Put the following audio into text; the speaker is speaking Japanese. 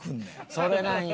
それなんよ。